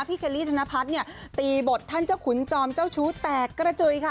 เคลลี่ธนพัฒน์เนี่ยตีบทท่านเจ้าขุนจอมเจ้าชู้แตกกระจุยค่ะ